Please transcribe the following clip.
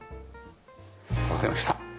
わかりました。